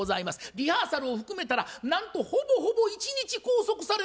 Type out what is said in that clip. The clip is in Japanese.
リハーサルを含めたらなんとほぼほぼ一日拘束されるみたいなもんです。